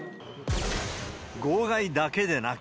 号外だけでなく、